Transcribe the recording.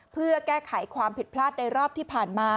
เพื่อแก้ไขความผิดพลาดในรอบที่ผ่านมา